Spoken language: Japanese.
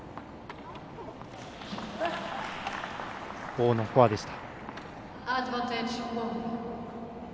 王のフォアでした。